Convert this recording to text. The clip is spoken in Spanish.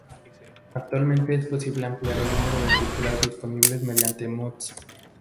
Actualmente es posible ampliar el número de culturas disponibles mediante Mods.